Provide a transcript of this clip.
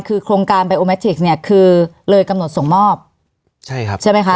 คือโครงการไยโอแมททิกซเนี่ยคือเลยกำหนดส่งมอบใช่ครับใช่ไหมคะ